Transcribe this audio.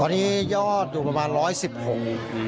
ตอนนี้ยอดอยู่ประมาณร้อยสิบหก